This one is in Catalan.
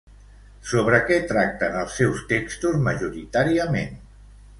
Sobre què tracten els seus textos majoritàriament?